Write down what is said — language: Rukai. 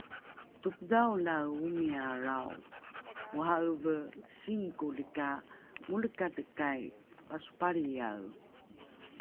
Topodhaolae omiyalrao, oha'eve singkoli ka molekatekai, pasopalriyae!